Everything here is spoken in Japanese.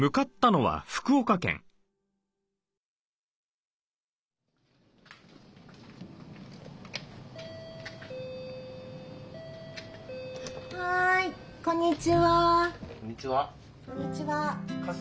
はいこんにちは。